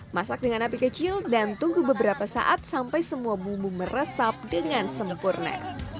masak dengan api kecil dan tunggu beberapa saat sampai semua bumbu meresap dengan sempurna